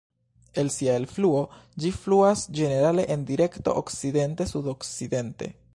El sia elfluo, ĝi fluas ĝenerale en direkto okcidente-sudokcidente.